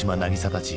たち